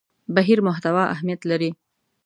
بهیر محتوا اهمیت لري.